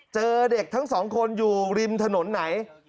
เจอเด็กทั้งสองคนอยู่ริมถนนไหน